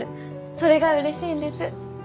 それがうれしいんです。